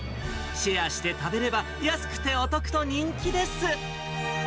シェアして食べれば安くてお得と人気です。